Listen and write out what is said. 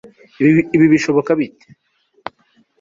Ibi bishoboka bite